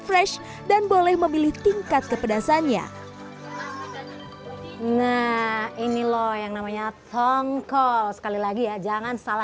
fresh dan boleh memilih tingkat kepedasannya nah ini loh yang namanya tongkol sekali lagi ya jangan salah